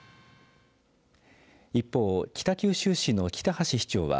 一方、北九州市の北橋市長は